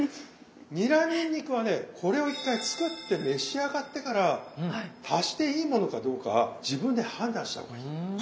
ニラにんにくはねこれを１回作って召し上がってから足していいものかどうか自分で判断した方がいい。